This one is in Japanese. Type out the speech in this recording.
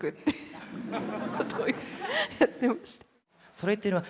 それっていうのは？